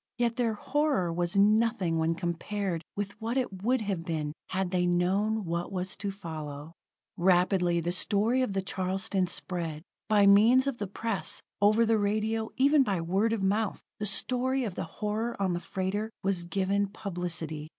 Yet their horror was nothing when compared with what it would have been, had they known what was to follow. Rapidly the story of the_ Charleston_ spread. By means of the press, over the radio, even by word of mouth, the story of the horror on the freighter was given publicity.